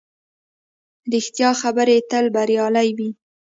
ریښتیا خبرې تل بریالۍ وي